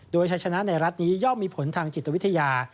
โดยใช้ชนะในรัฐนี้ย่อมมีผลทางจิตวิทยา